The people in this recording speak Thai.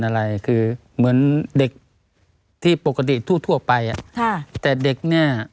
อะไรคือเหมือนเด็กที่ปกติทั่วทั่วไปอ่ะค่ะแต่เด็กเนี้ย